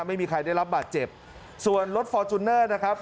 ไม่มีใครได้รับบาดเจ็บส่วนรถฟอร์จูเนอร์นะครับ